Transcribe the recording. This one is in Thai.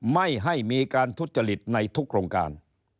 ไม่ให้มีการทุจริตในทุกโครงการ